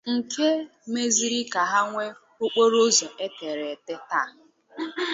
nke mezịrị ka ha nwee okporo ụzọ e tere ete taa